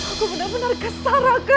aku benar benar kesar aga